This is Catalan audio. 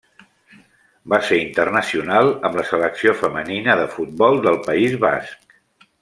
Va ser internacional amb la Selecció femenina de futbol del País Basc.